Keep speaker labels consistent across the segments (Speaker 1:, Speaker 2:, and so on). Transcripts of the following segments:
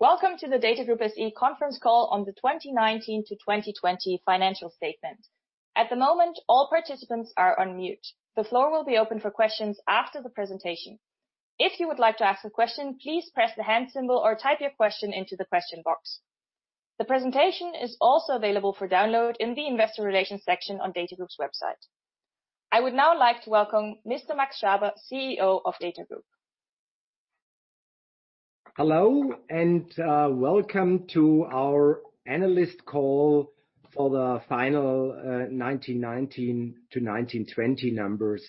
Speaker 1: Welcome to the DATAGROUP SE conference call on the 2019 to 2020 financial statement. At the moment, all participants are on mute. The floor will be open for questions after the presentation. If you would like to ask a question, please press the hand symbol or type your question into the question box. The presentation is also available for download in the Investor Relations section on DATAGROUP's website. I would now like to welcome Mr. Max Schaber, CEO of DATAGROUP.
Speaker 2: Hello, and welcome to our analyst call for the final 2019 to 2020 numbers.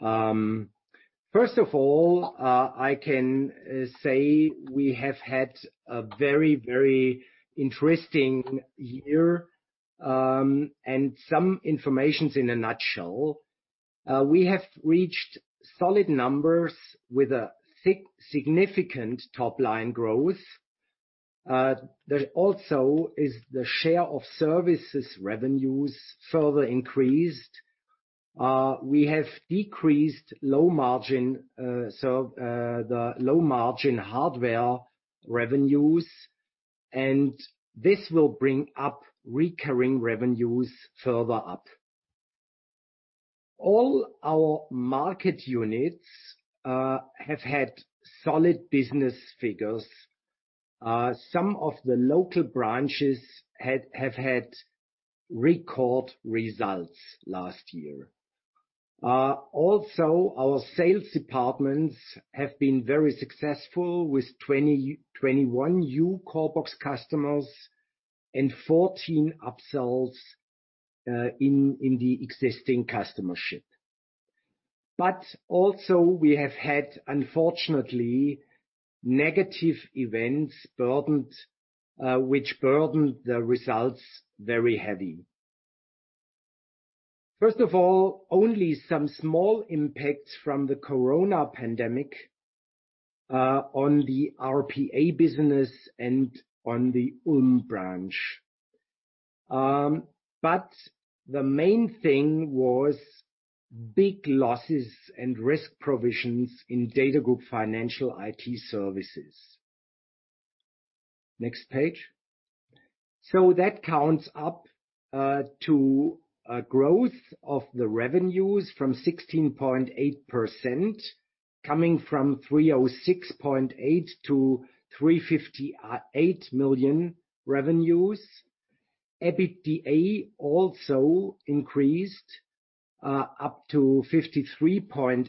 Speaker 2: First of all, I can say we have had a very, very interesting year, and some information in a nutshell. We have reached solid numbers with a significant top-line growth. There also is the share of services revenues further increased. We have decreased low margin, so the low-margin hardware revenues, and this will bring up recurring revenues further up. All our market units have had solid business figures. Some of the local branches have had record results last year. Also, our sales departments have been very successful with 21 new CORBOX customers and 14 upsells in the existing customership. But also, we have had, unfortunately, negative events burdened, which burdened the results very heavy. First of all, only some small impacts from the corona pandemic on the RPA business and on the Ulm branch, but the main thing was big losses and risk provisions in DATAGROUP Financial IT Services. Next page. So that counts up to a growth of the revenues from 16.8%, coming from 306.8 million to 358 million revenues. EBITDA also increased up to 53.8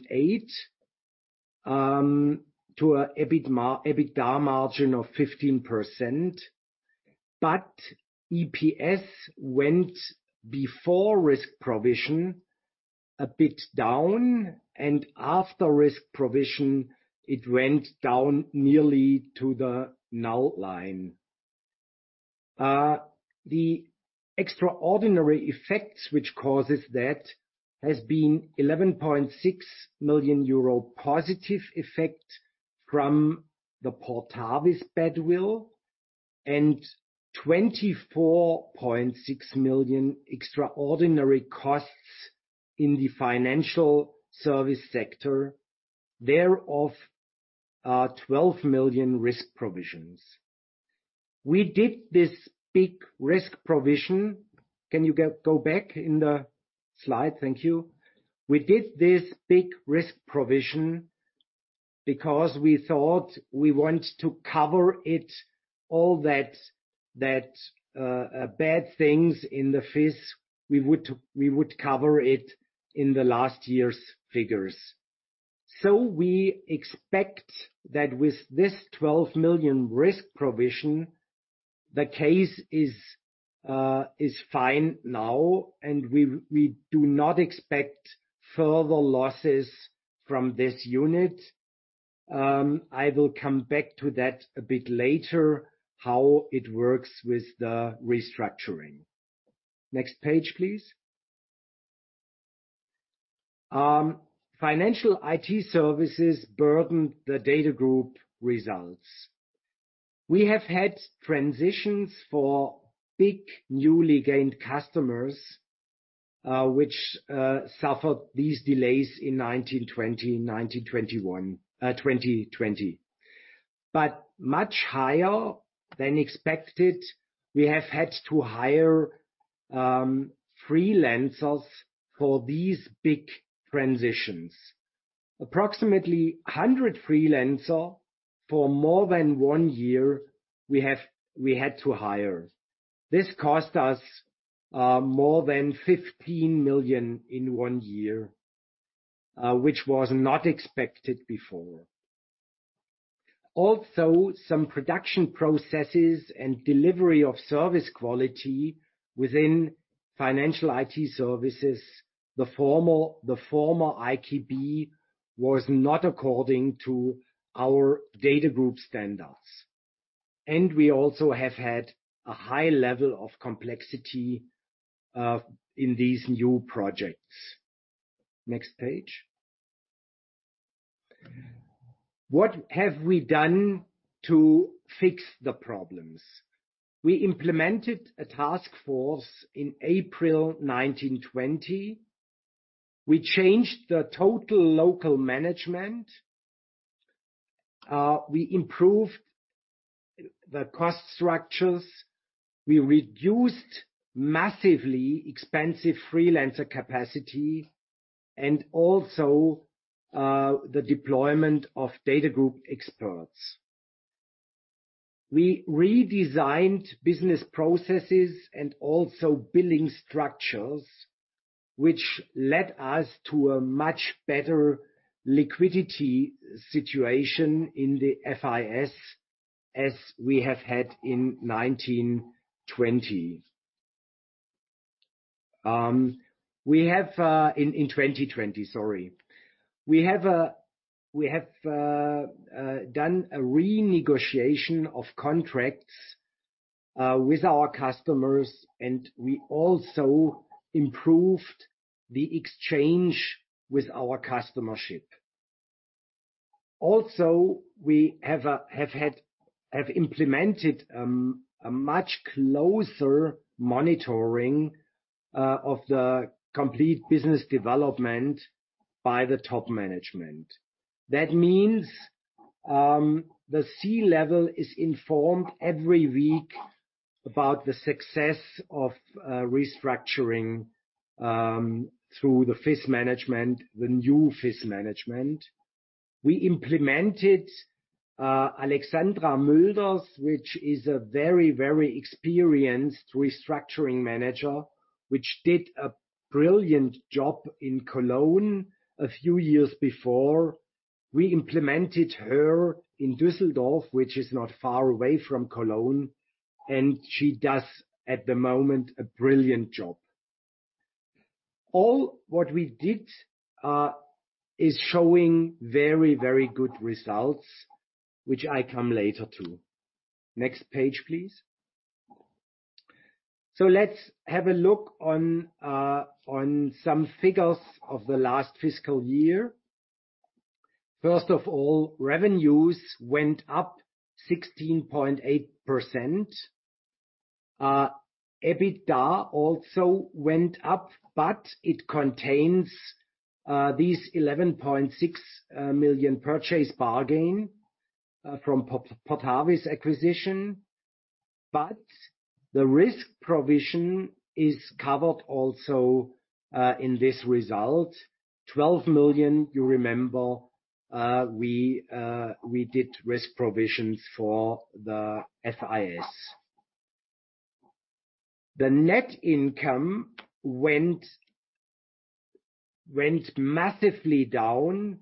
Speaker 2: million to a EBITDA margin of 15%, but EPS went before risk provision a bit down, and after risk provision, it went down nearly to the null line. The extraordinary effects which causes that has been 11.6 million euro positive effect from the Portavis goodwill, and 24.6 million extraordinary costs in the financial service sector, thereof are 12 million risk provisions. We did this big risk provision. Can you go back in the slide? Thank you. We did this big risk provision because we thought we want to cover it, all that bad things in the FIS, we would cover it in last year's figures. So we expect that with this 12 million risk provision, the case is fine now, and we do not expect further losses from this unit. I will come back to that a bit later, how it works with the restructuring. Next page, please. Financial IT Services burdened the DATAGROUP results. We have had transitions for big, newly gained customers, which suffered these delays in twenty twenty, twenty twenty-one, twenty twenty. But much higher than expected, we have had to hire freelancers for these big transitions. Approximately 100 freelancers for more than one year, we had to hire. This cost us more than 15 million in one year, which was not expected before. Also, some production processes and delivery of service quality within Financial IT Services, the former IKB, was not according to our DATAGROUP standards, and we also have had a high level of complexity in these new projects. Next page. What have we done to fix the problems? We implemented a task force in April 2020. We changed the total local management, we improved the cost structures. We reduced massively expensive freelancer capacity, and also the deployment of DATAGROUP experts. We redesigned business processes and also billing structures, which led us to a much better liquidity situation in the FIS, as we have had in 2020. We have, in 2020, sorry. We have done a renegotiation of contracts with our customers, and we also improved the exchange with our customership. Also, we have implemented a much closer monitoring of the complete business development by the top management. That means, the C-level is informed every week about the success of restructuring through the FIS management, the new FIS management. We implemented Alexandra Mülders, which is a very, very experienced restructuring manager, which did a brilliant job in Cologne a few years before. We implemented her in Düsseldorf, which is not far away from Cologne, and she does, at the moment, a brilliant job. All what we did is showing very, very good results, which I come later to. Next page, please. So let's have a look on some figures of the last fiscal year. First of all, revenues went up 16.8%. EBITDA also went up, but it contains these 11.6 million purchase bargain from Portavis acquisition. But the risk provision is covered also in this result. 12 million, you remember, we did risk provisions for the FIS. The net income went massively down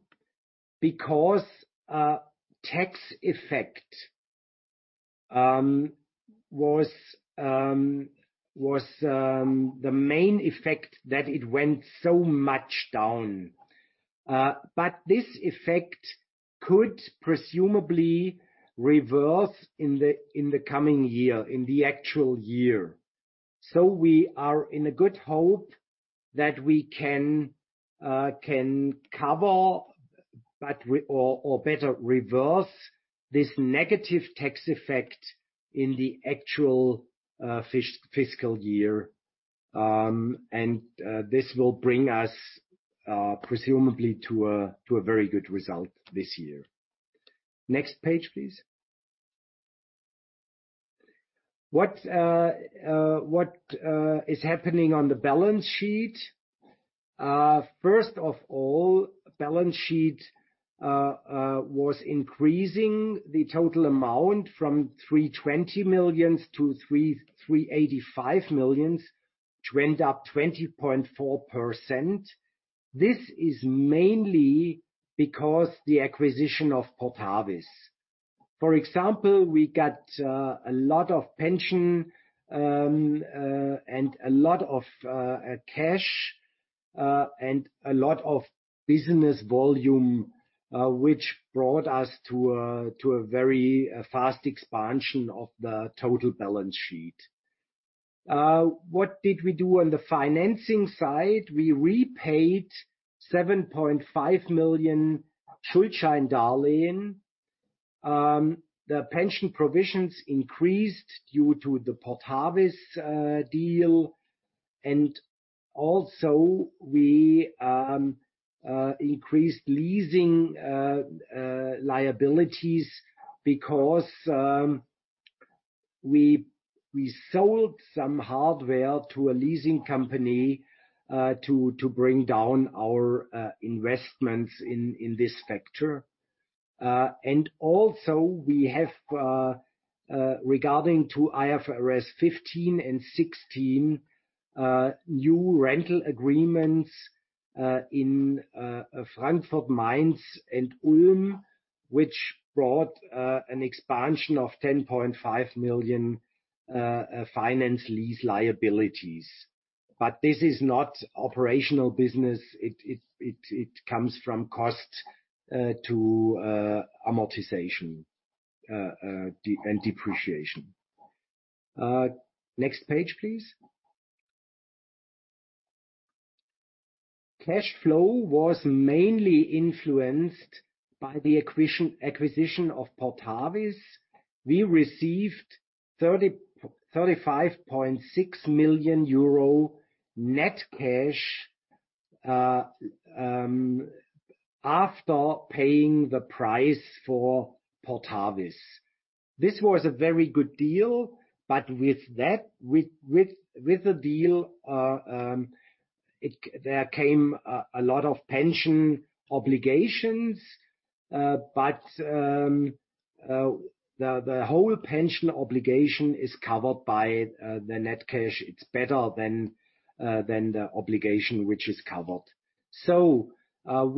Speaker 2: because tax effect was the main effect that it went so much down. But this effect could presumably reverse in the coming year, in the actual year. So we are in a good hope that we can cover, but we or better reverse this negative tax effect in the actual fiscal year. This will bring us, presumably to a very good result this year. Next page, please. What is happening on the balance sheet? First of all, balance sheet was increasing the total amount from 320 million to 385 million, to end up 20.4%. This is mainly because the acquisition of Portavis. For example, we got a lot of pension, and a lot of cash, and a lot of business volume, which brought us to a very fast expansion of the total balance sheet. What did we do on the financing side? We repaid 7.5 million Schuldscheindarlehen. The pension provisions increased due to the Portavis deal, and also we increased leasing liabilities, because we sold some hardware to a leasing company to bring down our investments in this sector. And also we have regarding to IFRS 15 and 16 new rental agreements in Frankfurt, Mainz, and Ulm, which brought an expansion of 10.5 million finance lease liabilities. But this is not operational business. It comes from cost to amortization and depreciation. Next page, please. Cash flow was mainly influenced by the acquisition of Portavis. We received 35.6 million euro net cash after paying the price for Portavis. This was a very good deal, but with that, with the deal, it there came a lot of pension obligations. But the whole pension obligation is covered by the net cash. It's better than the obligation, which is covered. So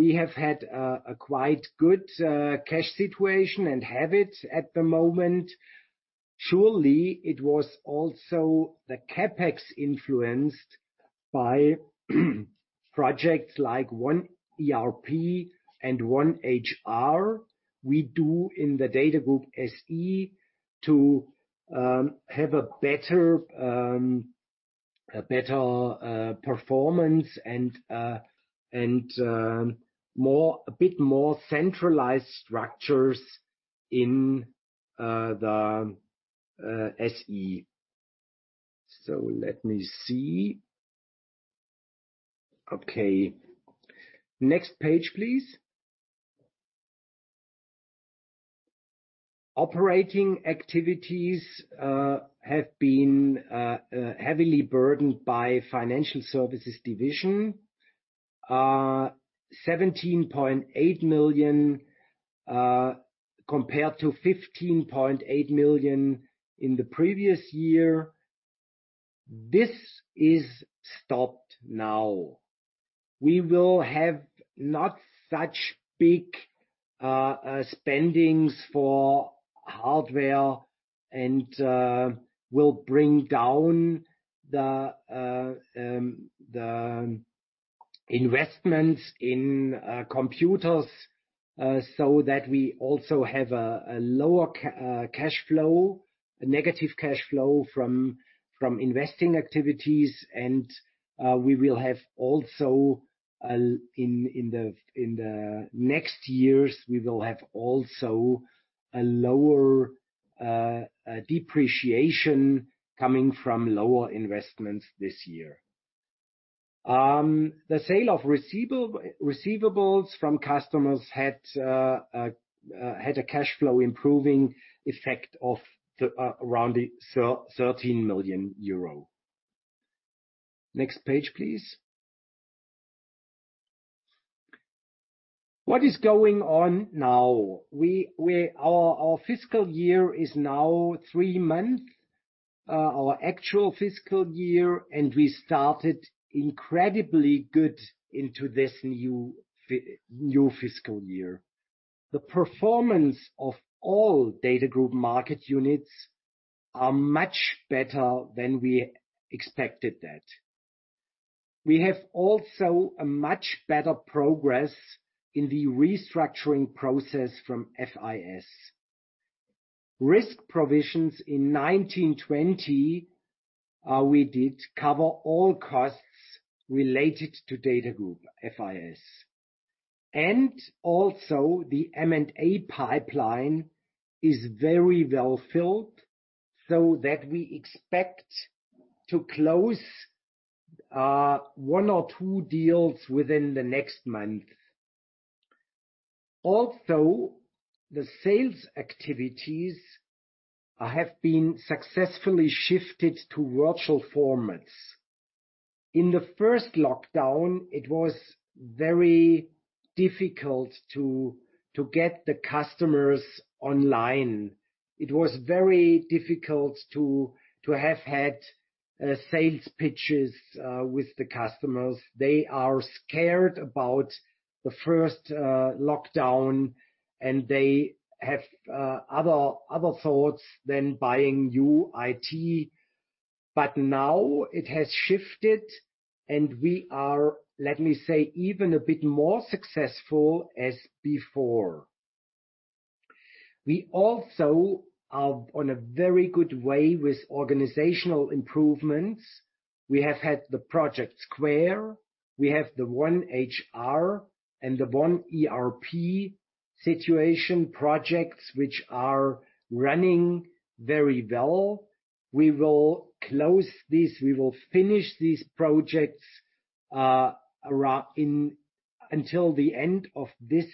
Speaker 2: we have had a quite good cash situation and have it at the moment. Surely, it was also the CapEx influenced by projects like One ERP and One HR. We do in the DATAGROUP SE to have a better performance and more, a bit more centralized structures in the SE. So let me see. Okay, next page, please. Operating activities have been heavily burdened by financial services division. Seventeen point eight million compared to fifteen point eight million in the previous year. This is stopped now. We will have not such big spending for hardware and will bring down the investments in computers so that we also have a lower cash flow, a negative cash flow from investing activities, and we will have also in the next years we will have also a lower depreciation coming from lower investments this year. The sale of receivables from customers had a cash flow improving effect of around 13 million euro. Next page, please. What is going on now? We... Our fiscal year is now three months, our actual fiscal year, and we started incredibly good into this new fiscal year. The performance of all DATAGROUP market units are much better than we expected that. We have also a much better progress in the restructuring process from FIS. Risk provisions in nineteen twenty, we did cover all costs related to DATAGROUP FIS. And also, the M&A pipeline is very well filled, so that we expect to close one or two deals within the next month. Also, the sales activities have been successfully shifted to virtual formats. In the first lockdown, it was very difficult to get the customers online. It was very difficult to have had sales pitches with the customers. They are scared about the first lockdown, and they have other thoughts than buying new IT. But now it has shifted, and we are, let me say, even a bit more successful as before. We also are on a very good way with organizational improvements. We have had the Project SQUARE, we have the One HR, and the One ERP situation projects, which are running very well. We will close these, we will finish these projects until the end of this,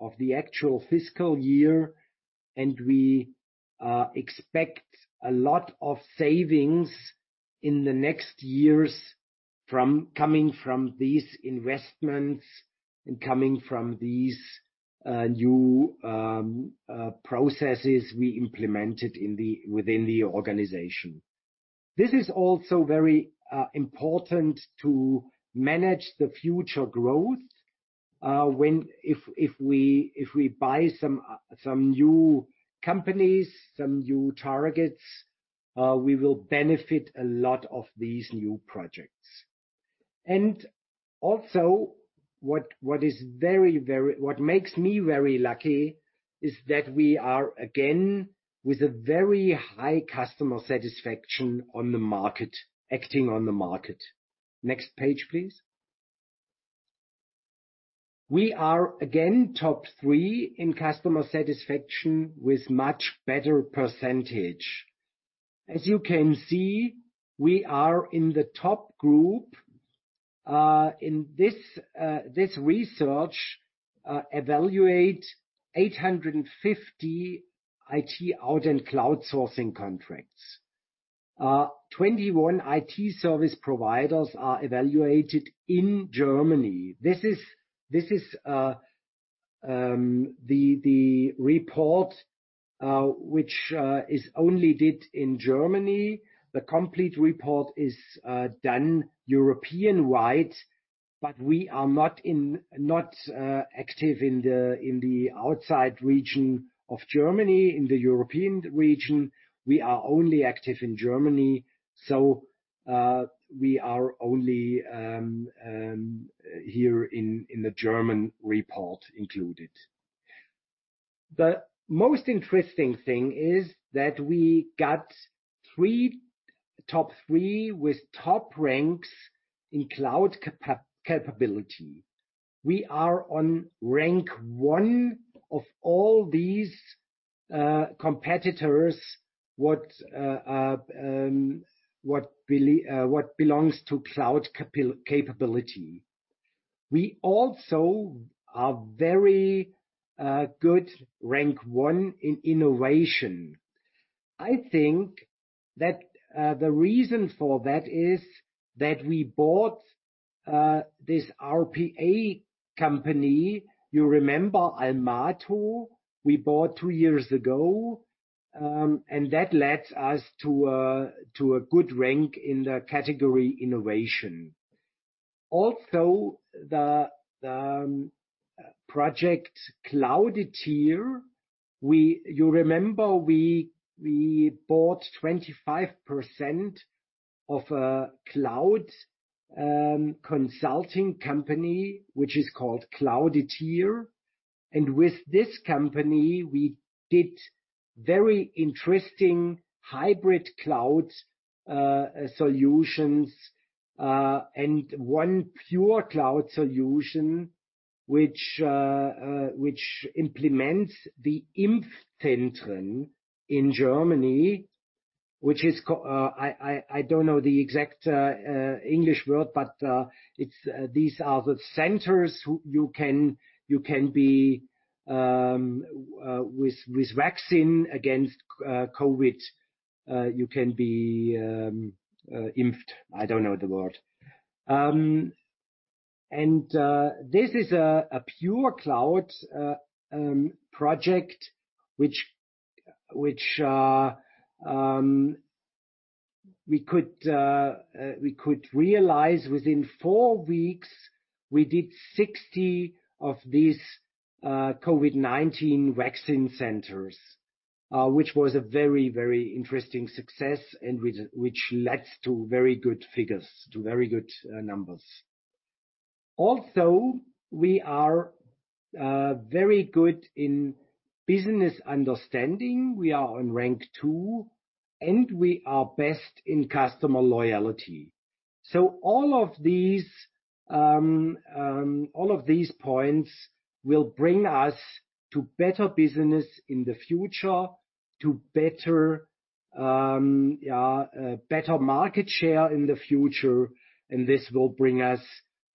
Speaker 2: of the actual fiscal year, and we expect a lot of savings in the next years from these investments and from these new processes we implemented within the organization. This is also very important to manage the future growth, when we buy some new companies, some new targets, we will benefit a lot from these new projects. What makes me very lucky is that we are, again, with a very high customer satisfaction on the market, acting on the market. Next page, please. We are again top three in customer satisfaction with much better percentage. As you can see, we are in the top group, in this research that evaluated 850 IT outsourcing and cloud sourcing contracts. 21 IT service providers are evaluated in Germany. This is the report, which is only done in Germany. The complete report is done European-wide, but we are not active in the outside region of Germany, in the European region. We are only active in Germany, so we are only here in the German report included. The most interesting thing is that we got top three with top ranks in cloud capability. We are on rank one of all these competitors, what belongs to cloud capability. We also are very good rank one in innovation. I think that the reason for that is that we bought this RPA company. You remember Almato? We bought two years ago, and that led us to a good rank in the category innovation. Also, the project Cloudeteer, you remember, we bought 25% of a cloud consulting company, which is called Cloudeteer, and with this company, we did very interesting Hybrid Cloud solutions, and one pure cloud solution, which implements the Impfzentren in Germany. I don't know the exact English word, but these are the centers who you can be with vaccine against COVID, you can be impft. I don't know the word. And this is a pure cloud project, which we could realize within four weeks. We did 60 of these COVID-19 vaccine centers, which was a very, very interesting success and which led to very good figures, to very good numbers. Also, we are very good in business understanding. We are on rank 2, and we are best in customer loyalty. So all of these points will bring us to better business in the future, to better market share in the future, and this will bring us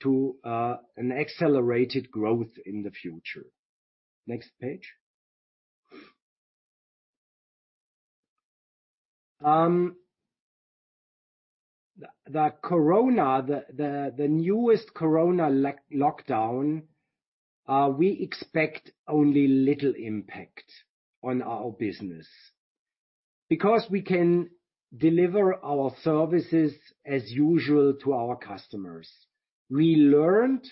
Speaker 2: to an accelerated growth in the future. Next page. The newest corona lockdown, we expect only little impact on our business because we can deliver our services as usual to our customers. We learned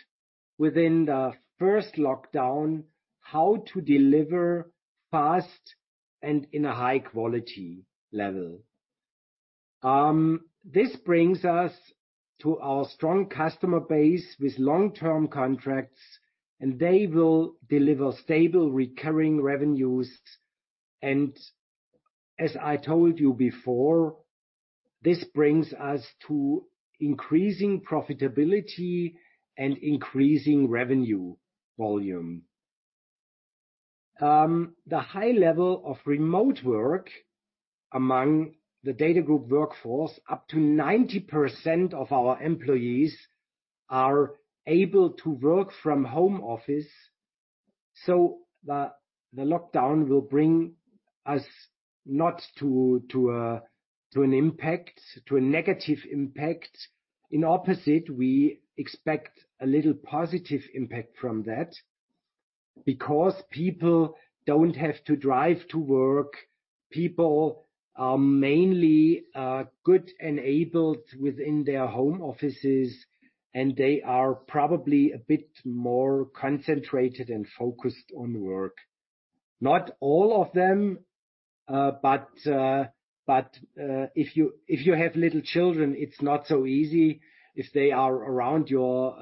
Speaker 2: within the first lockdown how to deliver fast and in a high quality level. This brings us to our strong customer base with long-term contracts, and they will deliver stable, recurring revenues. As I told you before, this brings us to increasing profitability and increasing revenue volume. The high level of remote work among the DATAGROUP workforce, up to 90% of our employees are able to work from home office, so the lockdown will bring us not to a negative impact. In opposite, we expect a little positive impact from that because people don't have to drive to work, people are mainly good enabled within their home offices, and they are probably a bit more concentrated and focused on work. Not all of them, but if you have little children, it's not so easy if they are around your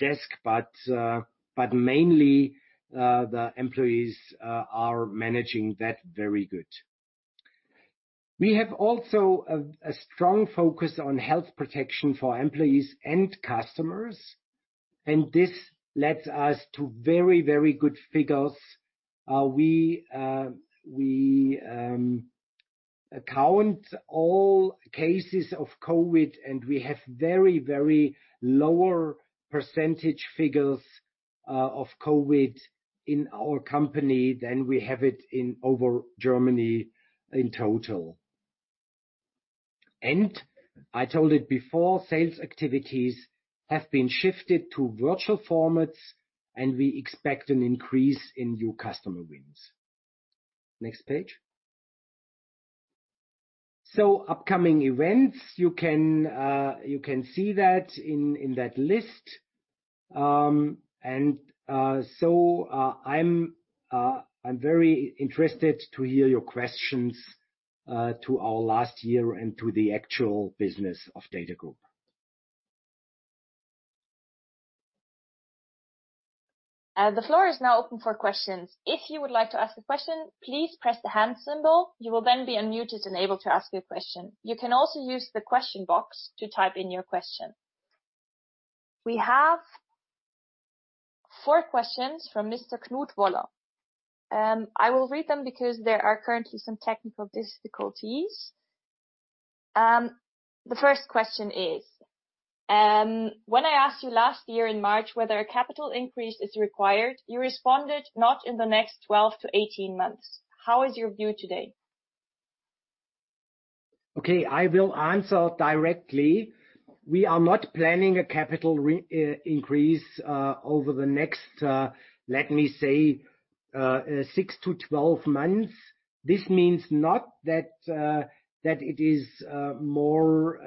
Speaker 2: desk. But mainly, the employees are managing that very good. We have also a strong focus on health protection for employees and customers, and this led us to very, very good figures. We count all cases of COVID, and we have very, very lower percentage figures of COVID in our company than we have it in over Germany in total, and I told it before, sales activities have been shifted to virtual formats, and we expect an increase in new customer wins. Next page, so upcoming events, you can see that in that list. I'm very interested to hear your questions to our last year and to the actual business of DATAGROUP.
Speaker 1: The floor is now open for questions. If you would like to ask a question, please press the Hand symbol. You will then be unmuted and able to ask your question. You can also use the question box to type in your question. We have four questions from Mr. Knut Woller. I will read them because there are currently some technical difficulties. The first question is: When I asked you last year in March whether a capital increase is required, you responded, "Not in the next 12 months to 18 months." How is your view today?
Speaker 2: Okay, I will answer directly. We are not planning a capital increase over the next, let me say, six to twelve months. This means not that it is more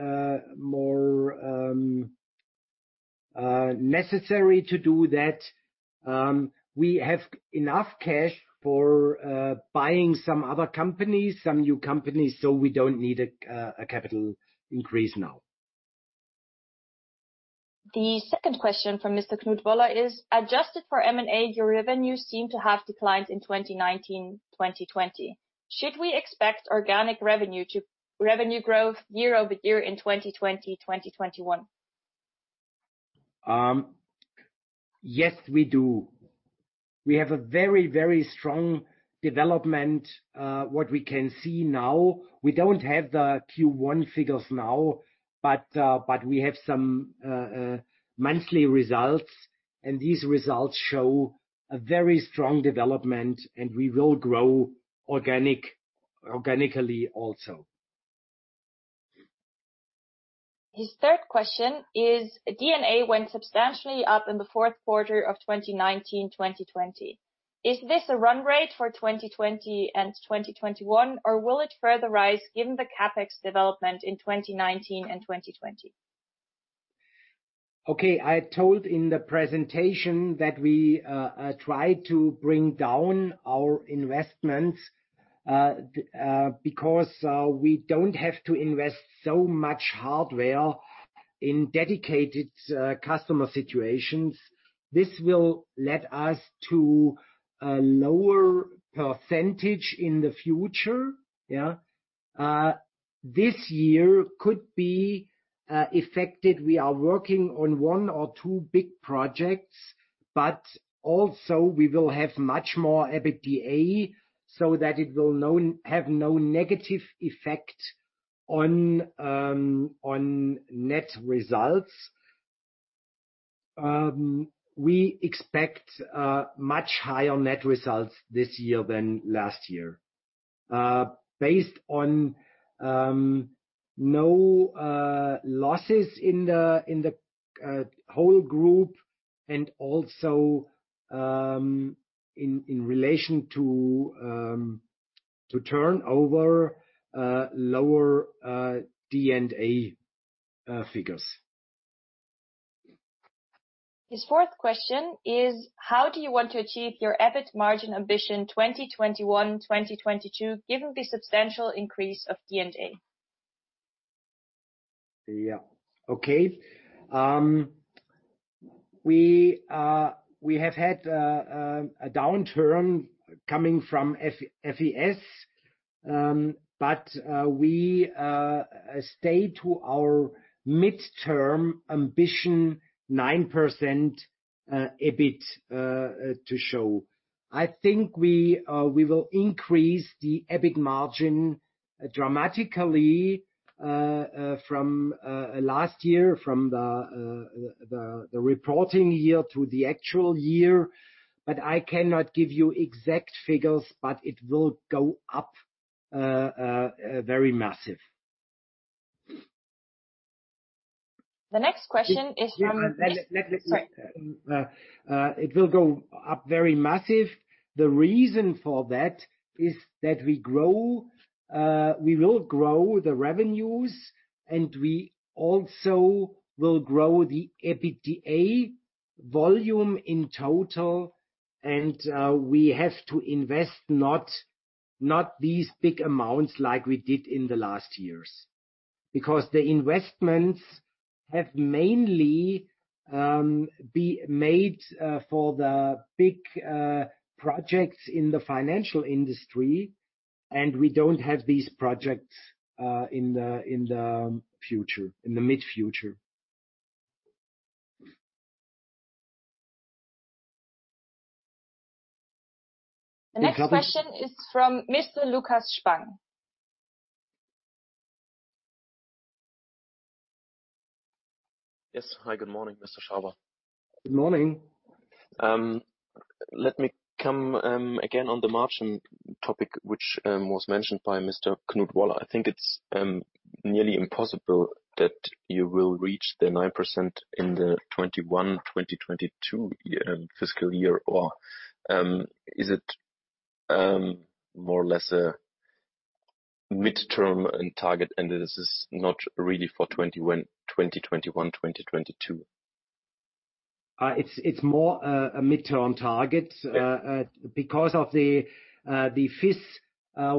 Speaker 2: necessary to do that. We have enough cash for buying some other companies, some new companies, so we don't need a capital increase now.
Speaker 1: The second question from Mr. Knut Woller is: Adjusted for M&A, your revenues seem to have declined in 2019, 2020. Should we expect organic revenue growth year over year in 2020, 2021?
Speaker 2: Yes, we do. We have a very, very strong development, what we can see now. We don't have the Q1 figures now, but we have some monthly results, and these results show a very strong development, and we will grow organically also.
Speaker 1: His third question is: D&A went substantially up in the fourth quarter of 2019, 2020. Is this a run rate for 2020 and 2021, or will it further rise given the CapEx development in twenty nineteen and twenty twenty?
Speaker 2: Okay, I told in the presentation that we try to bring down our investments because we don't have to invest so much hardware in dedicated customer situations. This will lead us to a lower percentage in the future. Yeah. This year could be affected. We are working on one or two big projects, but also we will have much more EBITDA, so that it will have no negative effect on net results. We expect much higher net results this year than last year based on no losses in the whole group and also in relation to turnover lower D&A figures.
Speaker 1: His fourth question is: How do you want to achieve your EBIT margin ambition in 2021, 2022, given the substantial increase of D&A?
Speaker 2: Yeah. Okay. We have had a downturn coming from FIS, but we stay to our midterm ambition, 9% EBIT to show. I think we will increase the EBIT margin dramatically from last year, from the reporting year to the actual year, but I cannot give you exact figures, but it will go up very massive.
Speaker 1: The next question is from
Speaker 2: Yeah. Let.
Speaker 1: Sorry.
Speaker 2: It will go up very massive. The reason for that is that we grow, we will grow the revenues, and we also will grow the EBITDA volume in total, and we have to invest not these big amounts like we did in the last years, because the investments have mainly be made for the big projects in the financial industry, and we don't have these projects in the future, in the mid-future.
Speaker 1: The next question is from Mr. Lucas Spang.
Speaker 3: Yes. Hi, good morning, Mr. Schaber.
Speaker 2: Good morning.
Speaker 3: Let me come again on the margin topic, which was mentioned by Mr. Knut Woller. I think it's nearly impossible that you will reach the 9% in the 2021, 2022 fiscal year. Or is it more or less a mid-term and target, and this is not really for 2021, 2021, 2022?
Speaker 2: It's more a midterm target.
Speaker 3: Yeah.
Speaker 2: Because of the FIS,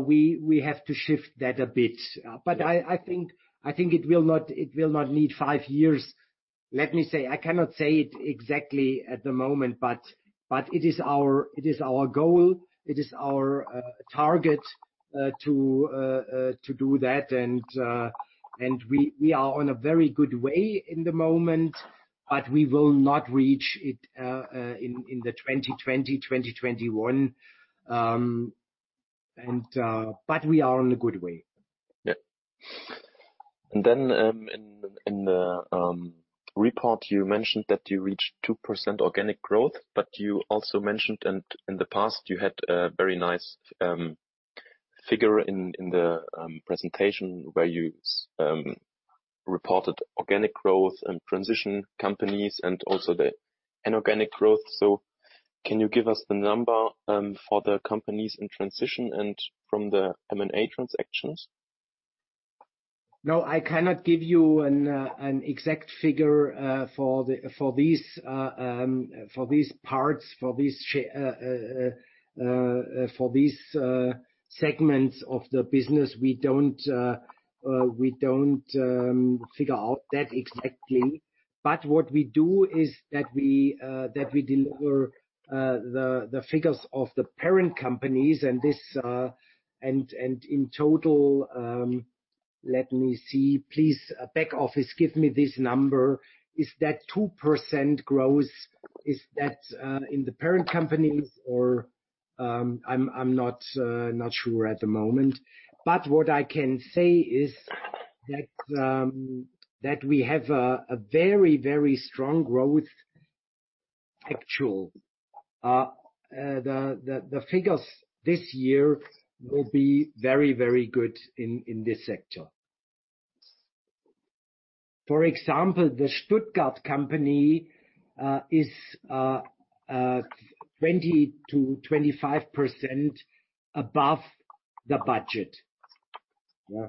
Speaker 2: we have to shift that a bit.
Speaker 3: Yeah.
Speaker 2: But I think it will not need five years. Let me say, I cannot say it exactly at the moment, but it is our goal, it is our target to do that. And we are on a very good way in the moment, but we will not reach it in 2020, 2021. But we are on a good way.
Speaker 3: Yeah. And then, in the report, you mentioned that you reached 2% organic growth. But you also mentioned, and in the past you had a very nice figure in the presentation, where you reported organic growth and transition companies and also the inorganic growth. So can you give us the number for the companies in transition and from the M&A transactions?
Speaker 2: No, I cannot give you an exact figure for these segments of the business. We don't figure out that exactly. But what we do is that we deliver the figures of the parent companies and this. And in total, let me see. Please, back office, give me this number. Is that 2% growth, is that in the parent companies or, I'm not sure at the moment. But what I can say is that we have a very, very strong growth, actually. The figures this year will be very, very good in this sector. For example, the Stuttgart company is 20%-25% above the budget. Yeah.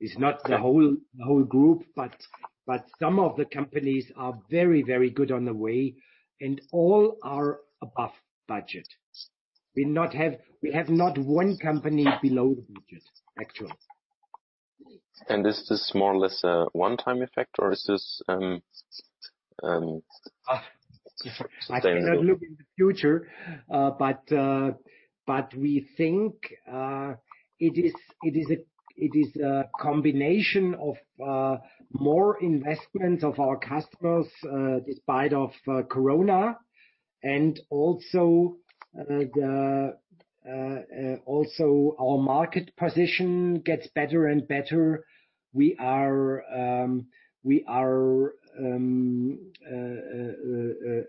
Speaker 2: It's not the whole group, but some of the companies are very, very good on the way, and all are above budget. We have not one company below the budget, actually.
Speaker 3: Is this more or less a one-time effect or is this sustainable?
Speaker 2: I cannot look in the future, but we think it is a combination of more investment of our customers despite of Corona, and also our market position gets better and better. We are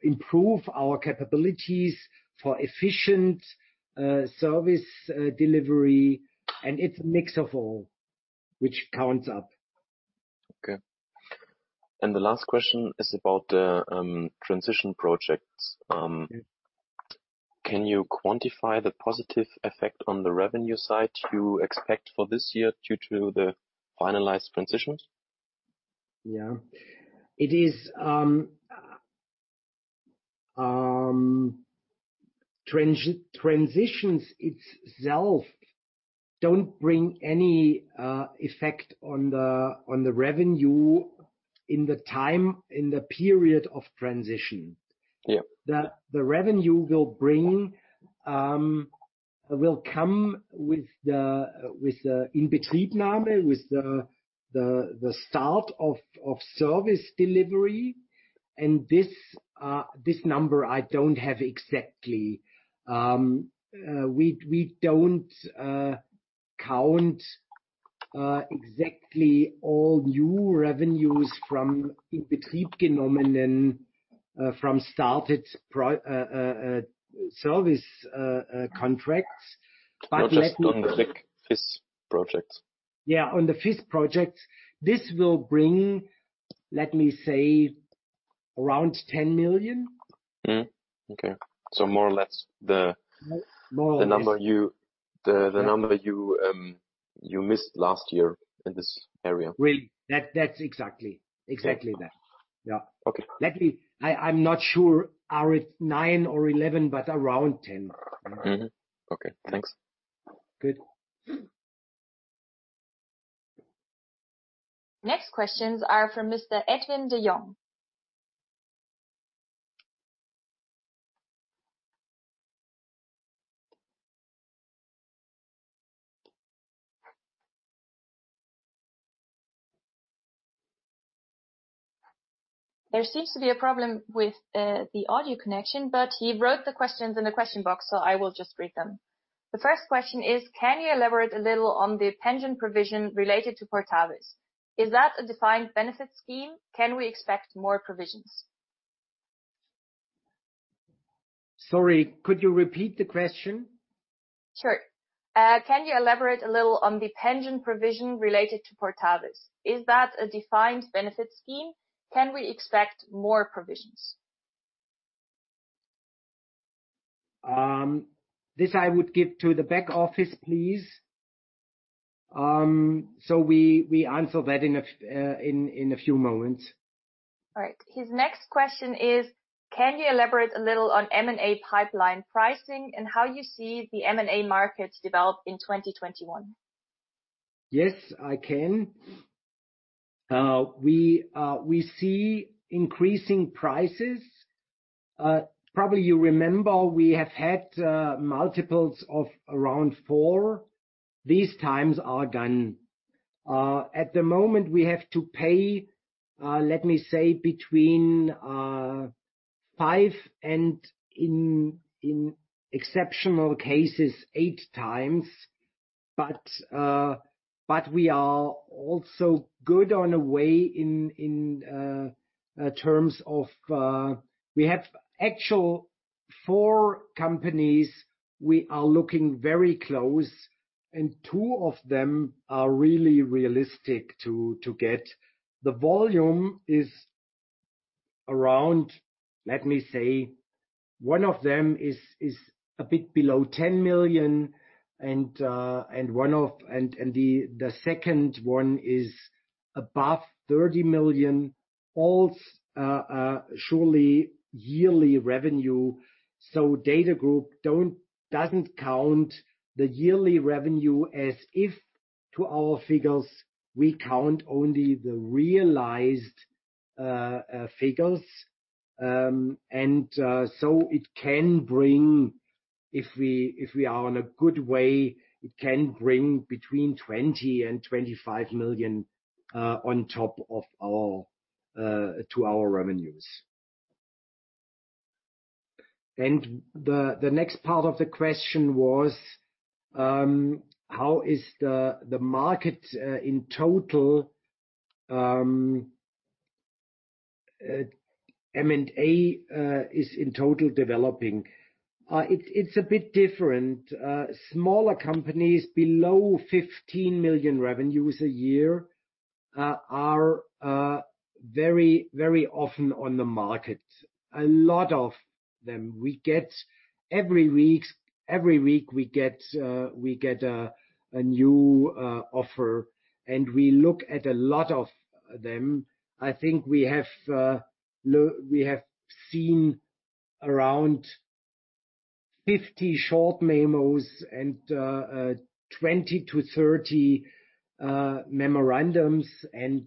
Speaker 2: improve our capabilities for efficient service delivery, and it's a mix of all, which counts up.
Speaker 3: Okay. And the last question is about the transition projects.
Speaker 2: Yeah.
Speaker 3: Can you quantify the positive effect on the revenue side you expect for this year due to the finalized transitions?
Speaker 2: Yeah. It is, transitions itself don't bring any effect on the revenue in the period of transition.
Speaker 3: Yeah.
Speaker 2: The revenue will come with the in-between name, with the start of service delivery, and this number I don't have exactly. We don't count exactly all new revenues from in-between, from started service contracts. But let me.
Speaker 3: Projects on like FIS projects.
Speaker 2: Yeah, on the FIS projects. This will bring, let me say, around 10 million.
Speaker 3: Mm-hmm. Okay. So more or less.
Speaker 2: More or less.
Speaker 3: the number you missed last year in this area.
Speaker 2: Really, that, that's exactly. Exactly that.
Speaker 3: Okay.
Speaker 2: Yeah.
Speaker 3: Okay.
Speaker 2: I'm not sure, is it nine or eleven, but around ten.
Speaker 3: Mm-hmm. Okay, thanks.
Speaker 2: Good.
Speaker 1: Next questions are from Mr. Edwin de Jong. There seems to be a problem with the audio connection, but he wrote the questions in the question box, so I will just read them. The first question is: Can you elaborate a little on the pension provision related to Portavis? Is that a defined benefit scheme? Can we expect more provisions?
Speaker 2: Sorry, could you repeat the question?
Speaker 1: Sure. Can you elaborate a little on the pension provision related to Portavis? Is that a defined benefit scheme? Can we expect more provisions?
Speaker 2: This, I would give to the back office, please. So we answer that in a few moments.
Speaker 1: All right. His next question is: Can you elaborate a little on M&A pipeline pricing and how you see the M&A markets develop in 2021?
Speaker 2: Yes, I can. We see increasing prices. Probably you remember we have had multiples of around four. These times are done. At the moment, we have to pay, let me say, between five and, in exceptional cases, eight times. But we are also good on the way in terms of, we actually have four companies we are looking very close, and two of them are really realistic to get. The volume is around, let me say, one of them is a bit below 10 million, and the second one is above 30 million, all surely yearly revenue. So DATAGROUP doesn't count the yearly revenue as if to our figures, we count only the realized figures. And so it can bring, if we are on a good way, it can bring between 20 million and 25 million on top of our revenues. The next part of the question was how is the M&A market in total developing? It's a bit different. Smaller companies below 15 million revenues a year are very, very often on the market, a lot of them. We get every week a new offer, and we look at a lot of them. I think we have seen around 50 short memos and 20 memorandums to 30 memorandums, and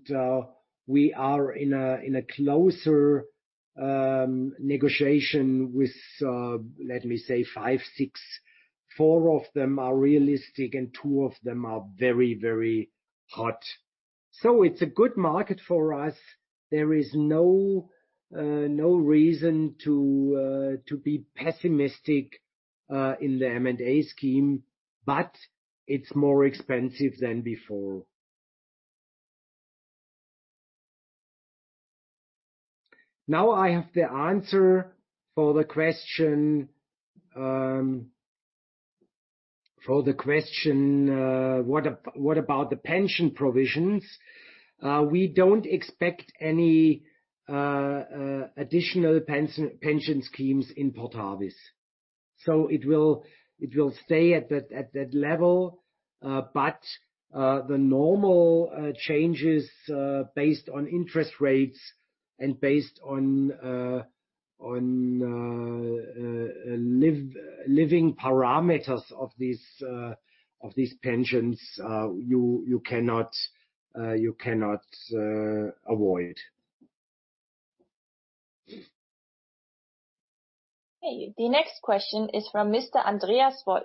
Speaker 2: we are in a closer negotiation with, let me say, five, six. Four of them are realistic, and two of them are very, very hot, so it's a good market for us. There is no reason to be pessimistic in the M&A scene, but it's more expensive than before. Now I have the answer for the question, what about the pension provisions? We don't expect any additional pension schemes in Portavis. So it will stay at that level, but the normal changes based on interest rates and based on living parameters of these pensions, you cannot avoid.
Speaker 1: Okay. The next question is from Mr. Andreas Wolf.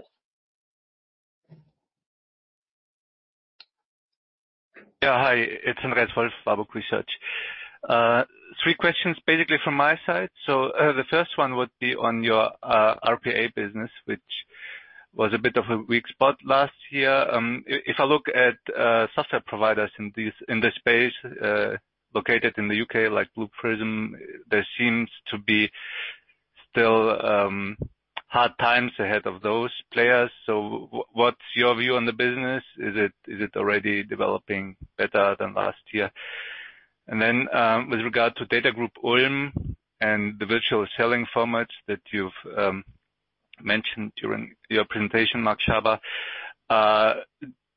Speaker 4: Yeah, hi, it's Andreas Wolf, Warburg Research. Three questions, basically from my side. So, the first one would be on your RPA business, which was a bit of a weak spot last year. If I look at software providers in this space, located in the U.K., like Blue Prism, there seems to be still hard times ahead of those players. So what's your view on the business? Is it already developing better than last year? And then, with regard to DATAGROUP Ulm and the virtual selling formats that you've mentioned during your presentation, Max Schaber.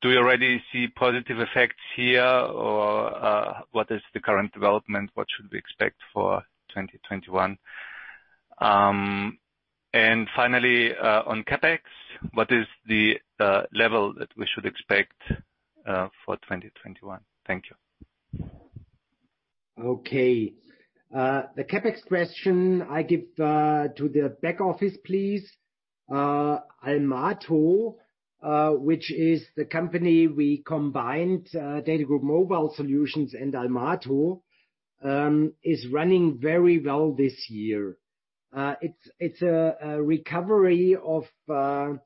Speaker 4: Do you already see positive effects here, or what is the current development? What should we expect for 2021? And finally, on CapEx, what is the level that we should expect for 2021? Thank you.
Speaker 2: Okay. The CapEx question I give to the back office, please. Almato, which is the company we combined, DATAGROUP Mobile Solutions and Almato, is running very well this year. It's a recovery of our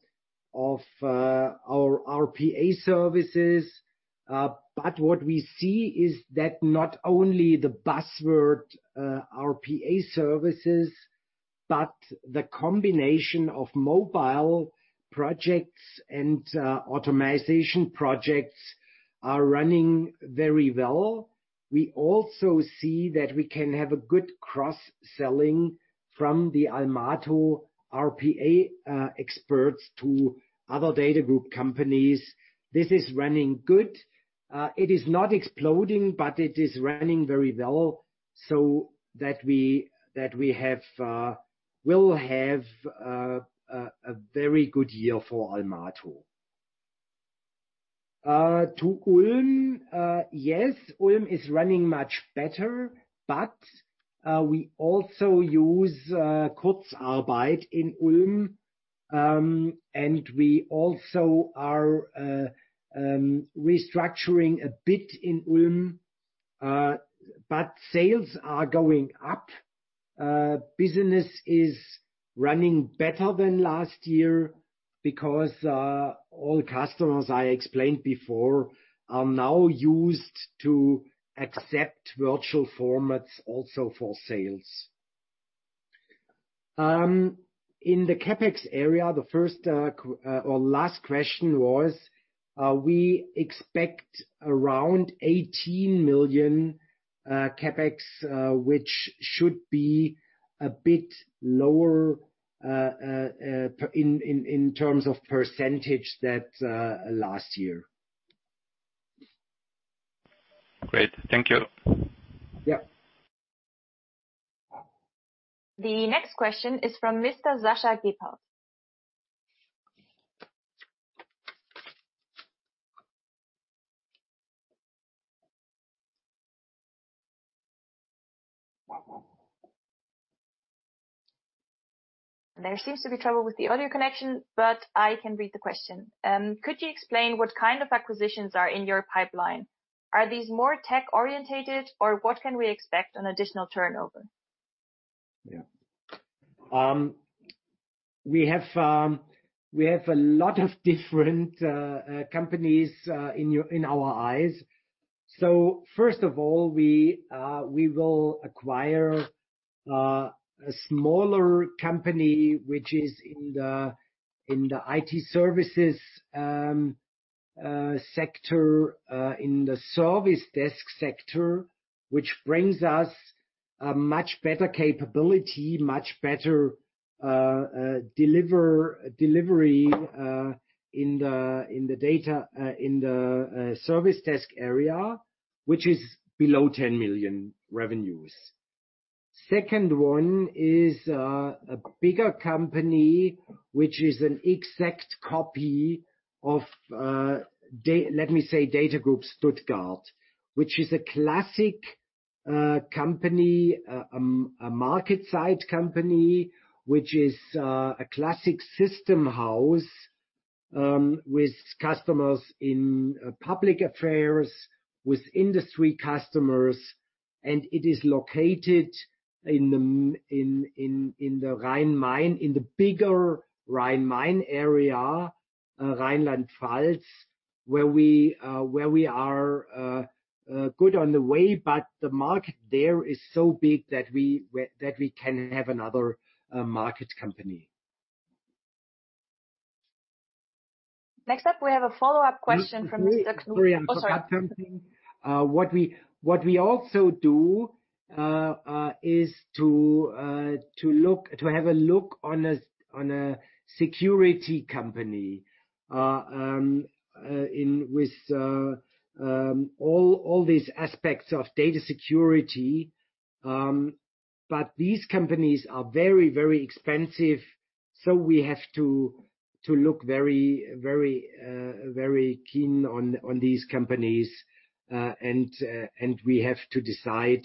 Speaker 2: RPA services. But what we see is that not only our RPA services, but the combination of mobile projects and automation projects are running very well. We also see that we can have a good cross-selling from the Almato RPA experts to other DATAGROUP companies. This is running good. It is not exploding, but it is running very well, so that we'll have a very good year for Almato. To Ulm, yes, Ulm is running much better, but we also use in Ulm. We also are restructuring a bit in Ulm, but sales are going up. Business is running better than last year because all customers I explained before are now used to accept virtual formats also for sales. In the CapEx area, the first or last question was, we expect around 18 million CapEx, which should be a bit lower in terms of percentage that last year.
Speaker 4: Great. Thank you.
Speaker 2: Yeah.
Speaker 1: The next question is from Mr. Sasha Giphaus. There seems to be trouble with the audio connection, but I can read the question. Could you explain what kind of acquisitions are in your pipeline? Are these more tech-oriented, or what can we expect on additional turnover?
Speaker 2: Yeah. We have a lot of different companies in our eyes. So first of all, we will acquire a smaller company, which is in the IT services sector, in the service desk sector, which brings us a much better capability, much better delivery in the day-to-day service desk area, which is below 10 million revenues. Second one is a bigger company, which is an exact copy of, let me say, DATAGROUP Stuttgart, which is a classic company, a market side company, which is a classic system house, with customers in public affairs, with industry customers, and it is located in the Rhine-Main, in the bigger Rhine-Main area, Rhineland-Palatinate, where we are good on the way, but the market there is so big that we can have another market company.
Speaker 1: Next up, we have a follow-up question from Mr. Klug. Oh, sorry.
Speaker 2: What we also do is to have a look on a security company in with all these aspects of data security. But these companies are very expensive, so we have to look very keen on these companies, and we have to decide,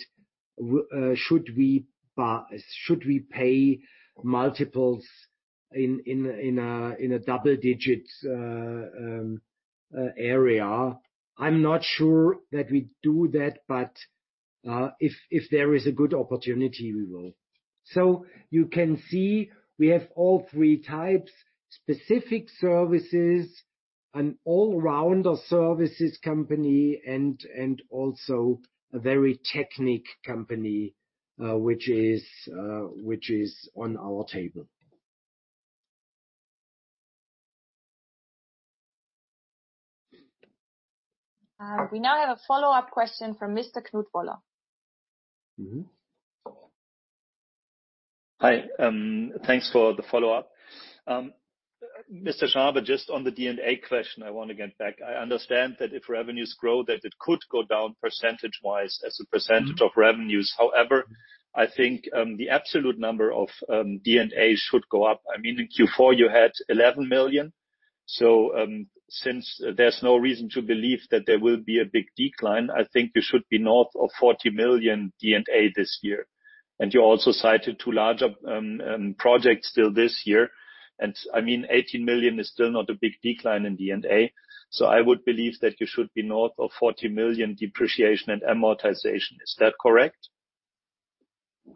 Speaker 2: should we pay multiples in a double digit area? I'm not sure that we do that, but if there is a good opportunity, we will. So you can see, we have all three types: specific services, an all-rounder services company, and also a very technical company, which is on our table.
Speaker 1: We now have a follow-up question from Mr. Knut Woller.
Speaker 2: Mm-hmm.
Speaker 4: Hi, thanks for the follow-up. Mr. Schaber, just on the D&A question, I wanna get back. I understand that if revenues grow, that it could go down percentage-wise as a percentage of revenues. However, I think, the absolute number of, D&A should go up. I mean, in Q4, you had eleven million, so, since there's no reason to believe that there will be a big decline, I think you should be north of forty million D&A this year. And you also cited two larger, projects still this year, and I mean, eighteen million is still not a big decline in D&A. So I would believe that you should be north of forty million depreciation and amortization. Is that correct?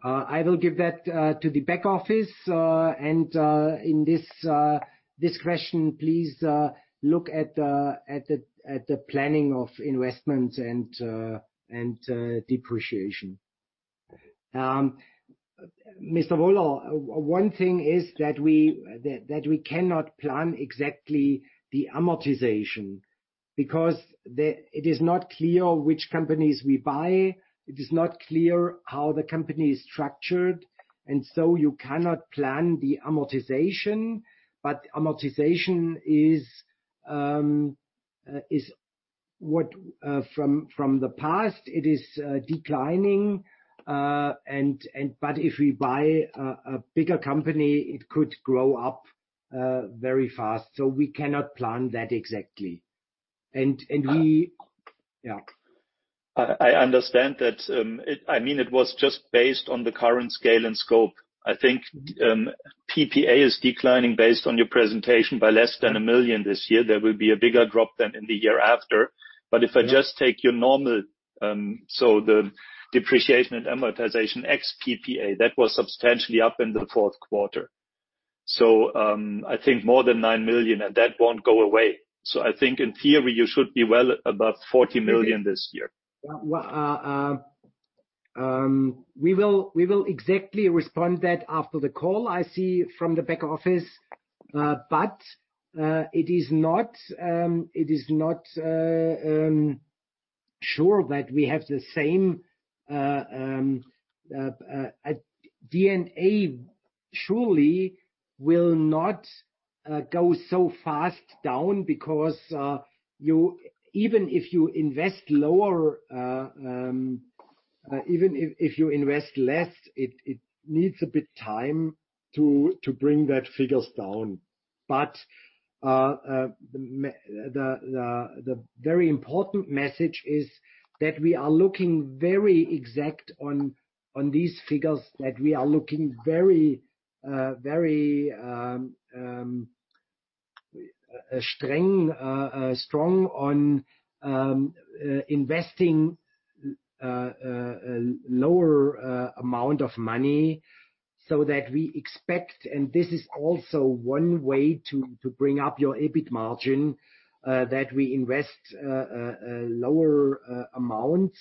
Speaker 2: I will give that to the back office, and in this question, please look at the planning of investments and depreciation. Mr. Woller, one thing is that we cannot plan exactly the amortization, because... It is not clear which companies we buy. It is not clear how the company is structured, and so you cannot plan the amortization. But amortization is from the past, it is declining. And but if we buy a bigger company, it could grow up very fast. So we cannot plan that exactly. And we, yeah.
Speaker 4: I understand that. I mean, it was just based on the current scale and scope. I think PPA is declining based on your presentation by less than 1 million this year. There will be a bigger drop than in the year after. But if I just take your normal, so the depreciation and amortization ex PPA, that was substantially up in the fourth quarter, so, I think more than 9 million, and that won't go away. So I think in theory, you should be well above 40 million this year.
Speaker 2: We will exactly respond that after the call. I see from the back office, but it is not sure that we have the same. D&A surely will not go so fast down because even if you invest less, it needs a bit time to bring that figures down. But the very important message is that we are looking very exact on these figures, that we are looking very strong on investing lower amount of money, so that we expect, and this is also one way to bring up your EBIT margin, that we invest lower amounts,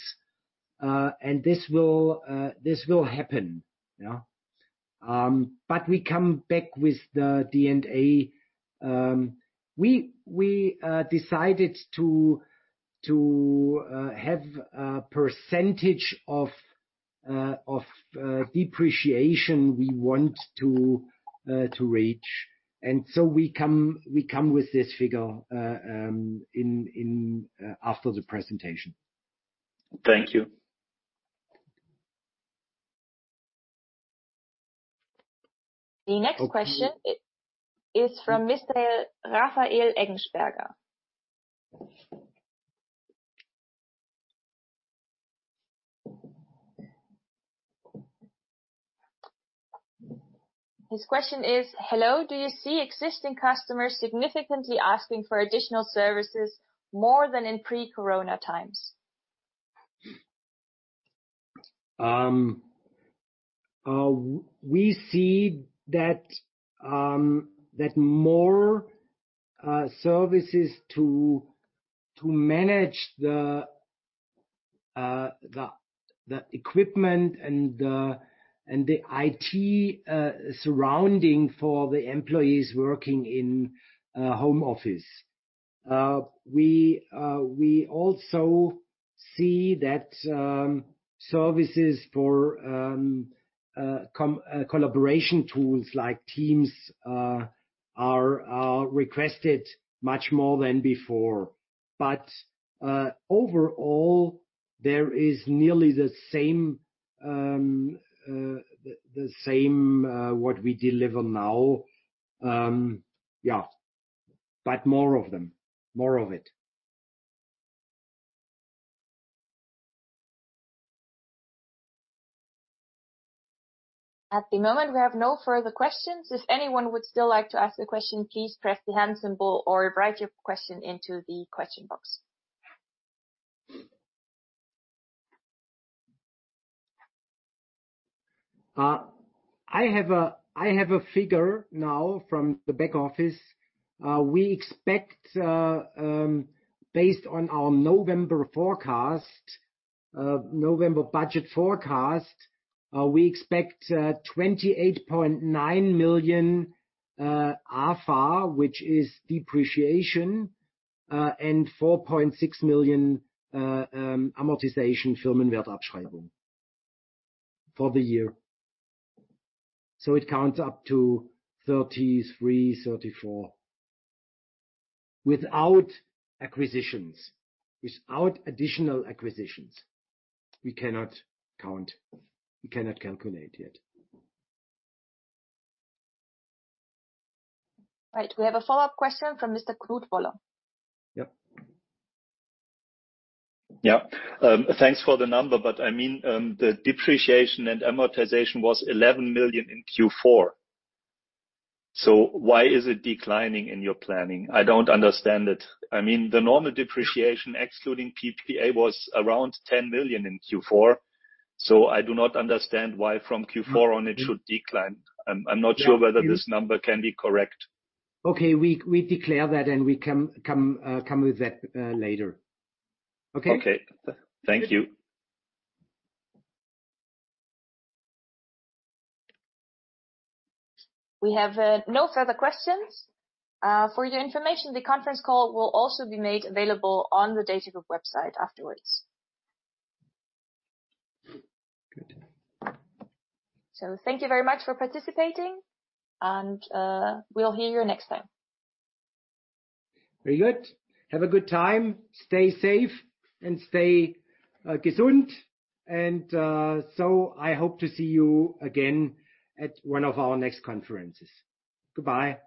Speaker 2: and this will happen. Yeah. But we come back with the D&A. We decided to have a percentage of depreciation we want to reach, and so we come with this figure after the presentation.
Speaker 4: Thank you.
Speaker 1: The next question is from Mr. Raphael Eggensperger. His question is: Hello, do you see existing customers significantly asking for additional services more than in pre-corona times?
Speaker 2: We see that more services to manage the equipment and the IT surrounding for the employees working in home office. We also see that services for collaboration tools, like Teams, are requested much more than before, but overall, there is nearly the same what we deliver now. Yeah, but more of them, more of it.
Speaker 1: At the moment, we have no further questions. If anyone would still like to ask a question, please press the hand symbol or write your question into the question box.
Speaker 2: I have a figure now from the back office. We expect, based on our November budget forecast, 28.9 million EUR AfA, which is depreciation, and 4.6 million amortization, Firmenwertabschreibung for the year. It counts up to 33-34. Without acquisitions, without additional acquisitions, we cannot count, we cannot calculate yet.
Speaker 1: Right. We have a follow-up question from Mr. Knut Woller.
Speaker 2: Yep.
Speaker 5: Yeah. Thanks for the number, but I mean, the depreciation and amortization was 11 million in Q4, so why is it declining in your planning? I don't understand it. I mean, the normal depreciation, excluding PPA, was around 10 million in Q4, so I do not understand why from Q4 on, it should decline. I'm not sure whether this number can be correct.
Speaker 2: Okay, we declare that, and we come with that later. Okay?
Speaker 5: Okay. Thank you.
Speaker 1: We have no further questions. For your information, the conference call will also be made available on the DATAGROUP website afterwards.
Speaker 2: Good.
Speaker 1: So thank you very much for participating, and we'll hear you next time.
Speaker 2: Very good. Have a good time, stay safe, and stay gesund, and so I hope to see you again at one of our next conferences. Goodbye.